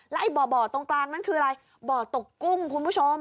ไอ้บ่อตรงกลางนั่นคืออะไรบ่อตกกุ้งคุณผู้ชม